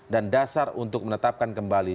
dan dasar untuk menetapkan kembali